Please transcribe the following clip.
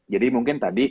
jadi mungkin tadi